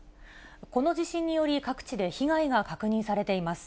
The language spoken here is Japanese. この地震により、各地で被害が確認されています。